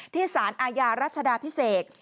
ที่สารอาญารัฐชดาพิเศก